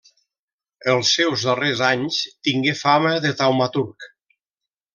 Els seus darrers anys tingué fama de taumaturg.